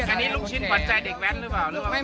อันนี้ลูกชิ้นหวัดใจเด็กแว๊นหรือเปล่า